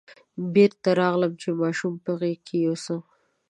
بېرته راغلم چې ماشوم په غېږ کې یوسم.